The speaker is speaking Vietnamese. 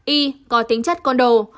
i có tính chất con đồ